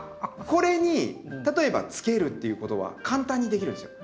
これに例えばつけるっていうことは簡単にできるんですよ。